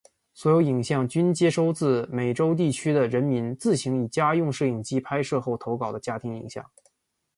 所有影像均接收自美洲地区的人民自行以家用摄影机拍摄后投稿的家庭影像。